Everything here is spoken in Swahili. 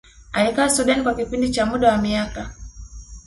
alikaa Sudan kwa kipindi cha muda wa miaka